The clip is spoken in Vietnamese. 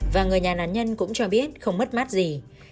và người nhà nạn nhân cũng cho biết không mất mát gì